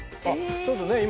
ちょっとね今。